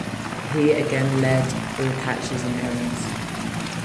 He again led all catchers in errors.